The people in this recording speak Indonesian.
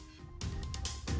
saya ke bang sarman